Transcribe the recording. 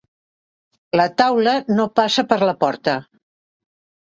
La taula no passa per la porta.